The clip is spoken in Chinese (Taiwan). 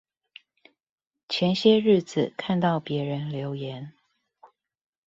前些日子看到別人留言